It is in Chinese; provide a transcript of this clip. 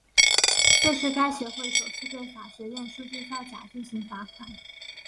这是该协会首次对法学院数据造假进行罚款。